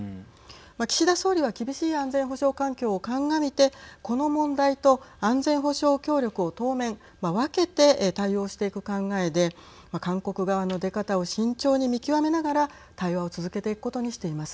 岸田総理は厳しい安全保障環境を鑑みてこの問題と安全保障協力を当面分けて対応していく考えで韓国側の出方を慎重に見極めながら対話を続けていくことにしています。